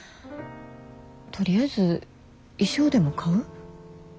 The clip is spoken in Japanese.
とりあえず衣装でも買う？